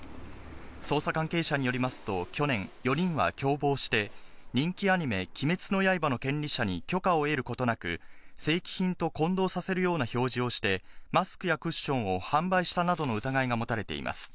捜査関係者によりますと、去年４人は共謀して、人気アニメ、鬼滅の刃の権利者に許可を得ることなく、正規品と混同させるような表示をして、マスクやクッションを販売したなどの疑いが持たれています。